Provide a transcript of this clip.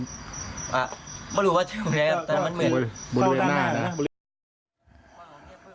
เขาเรียกเถอะน่ะนะ